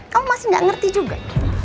kamu masih nggak ngerti juga